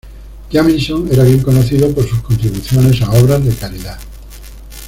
Jamison era bien conocido por sus contribuciones a obras de caridad.